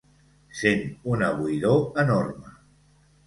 Sent una buidor enorme.